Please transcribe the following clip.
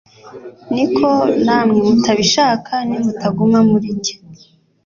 niko namwe mutabibasha, nimutaguma muri njye.»